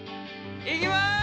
いきます！